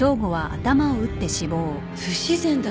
不自然だわ。